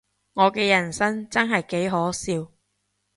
我嘅人生真係幾可笑